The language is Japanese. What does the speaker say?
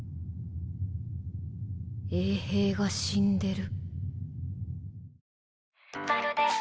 衛兵が死んでる。